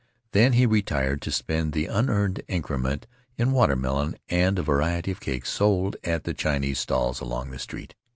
Then he retired to spend the unearned increment in watermelon and a variety of cakes sold at the Chinese stalls along the street.